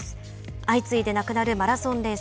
相次いでなくなるマラソンレース。